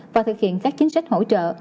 và thực hiện các chính sách hỗ trợ